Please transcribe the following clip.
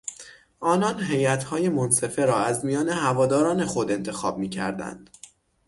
آنان هیاتهای منصفه را از میان هواداران خود انتخاب میکردند.